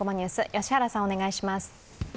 良原さん、お願いします。